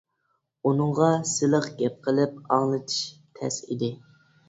ئۇنىڭغا سىلىق گەپ قىلىپ ئاڭلىتىش تەس ئىدى.